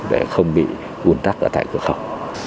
để không bị buồn tắc ở tại cửa khẩu